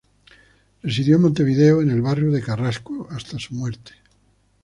Residió en Montevideo, en el barrio de Carrasco, hasta su muerte.